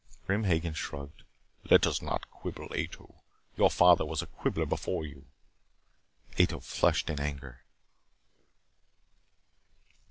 Grim Hagen shrugged. "Let us not quibble, Ato. Your father was a quibbler before you." Ato flushed in anger.